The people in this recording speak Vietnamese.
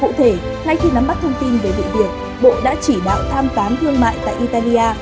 cụ thể ngay khi nắm bắt thông tin về vụ việc bộ đã chỉ đạo tham tán thương mại tại italia